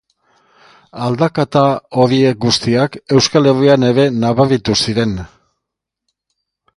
Aldaketa horiek guztiak Euskal Herrian ere nabaritu ziren.